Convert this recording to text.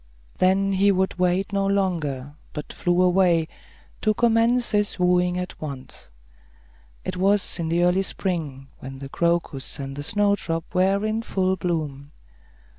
Then he would wait no longer, but flew away, to commence his wooing at once. It was in the early spring, when the crocus and the snowdrop were in full bloom.